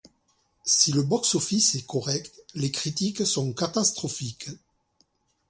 Si le box-office est correct, les critiques sont catastrophiques.